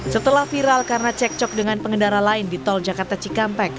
setelah viral karena cekcok dengan pengendara lain di tol jakarta cikampek